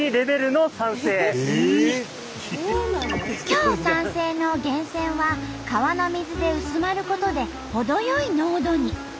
強酸性の源泉は川の水で薄まることで程よい濃度に。